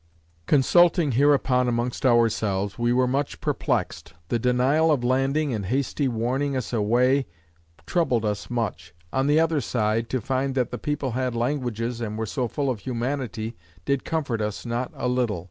Consulting hereupon amongst ourselves, we were much perplexed. The denial of landing and hasty warning us away troubled us much; on the other side, to find that the people had languages, and were so full of humanity, did comfort us not a little.